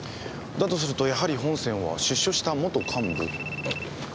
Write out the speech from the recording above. だとするとやはり本線は出所した元幹部？